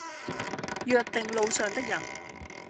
約定路上的人，